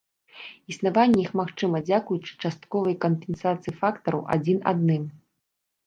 Існаванне іх магчыма дзякуючы частковай кампенсацыі фактараў адзін адным.